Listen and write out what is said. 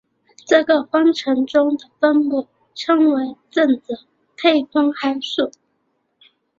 这个方程中的分母称为正则配分函数。